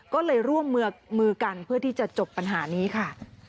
ก็เลยร่วมมือกันเพื่อที่จะจบปัญหานี้ค่ะ